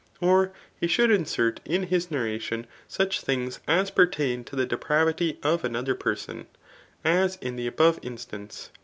Or he should insert in bis narration such things as pertain to the depravity of another person ; [zs in the above ia* stance.